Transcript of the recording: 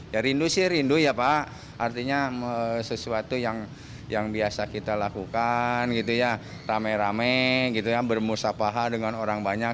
ya rindu sih rindu ya pak artinya sesuatu yang biasa kita lakukan gitu ya rame rame gitu ya bermusapaha dengan orang banyak